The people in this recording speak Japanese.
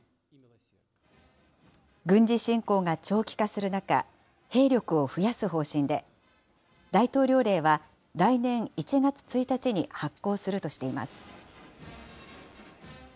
軍事侵攻が長期化する中、兵力を増やす方針で、大統領令は、来年１月１日に発効するとしています。